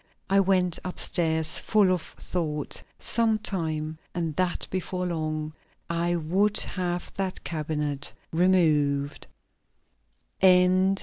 I went upstairs full of thought. Sometime, and that before long, I would have that cabinet removed.